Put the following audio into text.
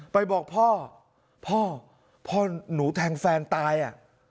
ไปบอกพ่อพ่อหนูแทงแฟนตายอ่ะ